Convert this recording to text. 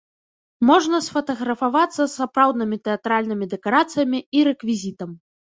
Можна сфатаграфавацца з сапраўднымі тэатральнымі дэкарацыямі і рэквізітам.